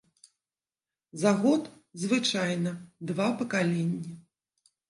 За год звычайна два пакаленні.